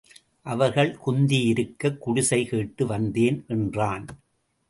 அவர்கள் குந்தி இருக்கக் குடிசை கேட்டு வந்தேன் என்றான்.